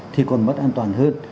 thì còn mất an toàn hơn